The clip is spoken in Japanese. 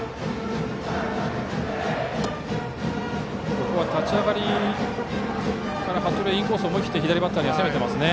ここは立ち上がりから服部は思い切って左バッターには攻めていますね。